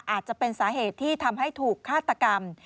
อาจจะเป็นสาเหตุที่ทำให้ถูกฆาตกรรม